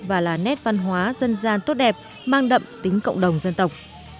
và là nét văn hóa dân gian tốt đẹp mang đậm tính cộng đồng dân tộc